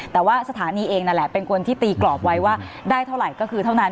แต่ว่าสถานีเองนั่นแหละเป็นคนที่ตีกรอบไว้ว่าได้เท่าไหร่ก็คือเท่านั้น